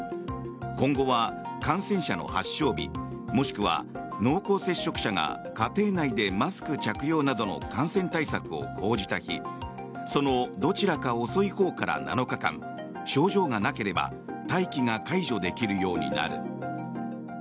今後は感染者の発症日もしくは濃厚接触者が家庭内でマスク着用などの感染対策を講じた日そのどちらか遅いほうから７日間症状がなければ待機が解除できるようになる。